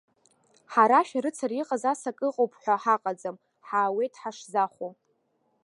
Ҳара шәарыцара иҟаз ас акы ыҟоуп ҳәа ҳаҟаӡам, ҳаауеит ҳашзахәо.